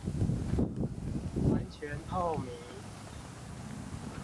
完全透明